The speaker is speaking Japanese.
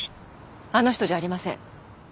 あの人じゃありません。